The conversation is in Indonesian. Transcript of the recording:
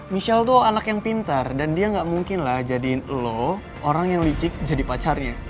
michelle itu anak yang pintar dan dia gak mungkin lah jadiin lo orang yang licik jadi pacarnya